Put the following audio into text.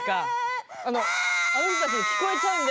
あのあの人たちに聞こえちゃうんで。